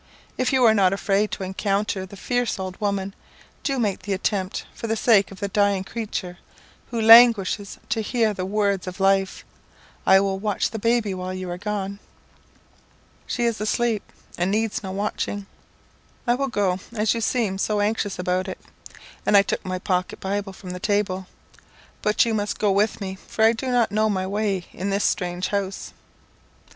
If you are not afraid to encounter the fierce old woman, do make the attempt for the sake of the dying creature, who languishes to hear the words of life. I will watch the baby while you are gone." "She is asleep, and needs no watching. I will go as you seem so anxious about it," and I took my pocket Bible from the table. "But you must go with me, for I do not know my way in this strange house."